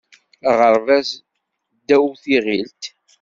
Aɣerbaz ddaw tiɣilt.